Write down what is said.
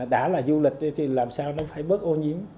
đã là du lịch thì làm sao nó phải bớt ô nhiễm